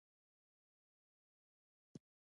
ډیپلوماسي د سیمهییزو سازمانونو له لارې هم پیاوړې کېږي.